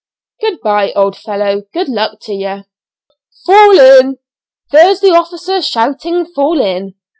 "Good bye, old fellow, good luck to ye." "Fall in." "There's the officer shouting 'fall in.'"